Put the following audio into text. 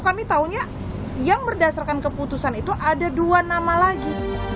kami tahunya yang berdasarkan keputusan itu ada dua nama lagi